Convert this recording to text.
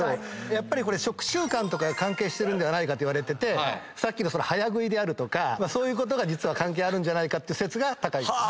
やっぱりこれ食習慣とかが関係してるといわれててさっきの早食いであるとかそういうことが関係あるんじゃないかって説が高いです。